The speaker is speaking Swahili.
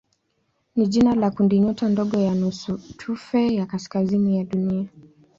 ni jina la kundinyota ndogo ya nusutufe ya kaskazini ya Dunia.